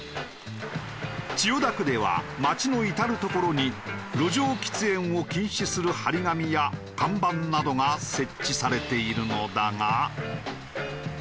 千代田区では街の至る所に路上喫煙を禁止する貼り紙や看板などが設置されているのだが。